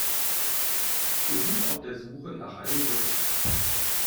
Wir sind auf der Suche nach einem Wirt.